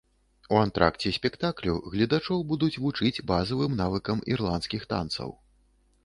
У антракце спектаклю гледачоў будуць вучыць базавым навыкам ірландскіх танцаў.